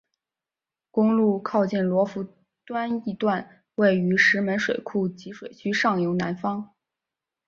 公路靠近罗浮端一段位于石门水库集水区上游南方。